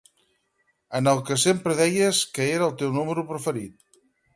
En el que sempre deies que era el teu número preferit.